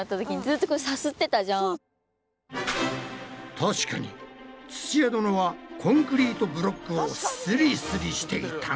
確かに土屋殿はコンクリートブロックをスリスリしていたな。